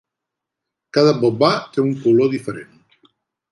Cada Boohbah té un color diferent.